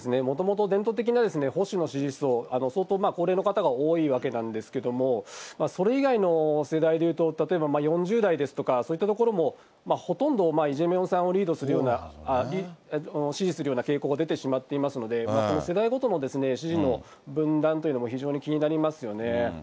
もともと伝統的な保守の支持層、相当高齢の方が多いわけなんですけれども、それ以外の世代でいうと、例えば４０代ですとか、そういったところも、ほとんどイ・ジェミョンさんを支持するような傾向が出てしまっていますので、世代ごとの支持の分断というのも非常に気になりますよね。